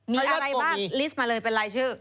มีอะไรบ้างลิสต์มาเลยเป็นรายชื่อ